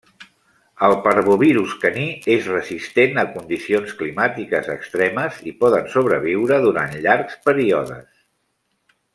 El parvovirus caní és resistent a condicions climàtiques extremes i poden sobreviure durant llargs períodes.